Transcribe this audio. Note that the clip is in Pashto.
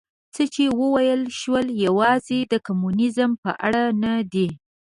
څه چې وویل شول یوازې د کمونیزم په اړه نه دي.